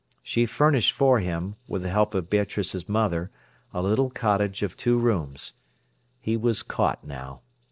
She furnished for him, with the help of Beatrice's mother, a little cottage of two rooms. He was caught now.